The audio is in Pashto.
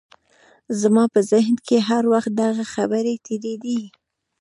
زما په ذهن کې هر وخت دغه خبرې تېرېدې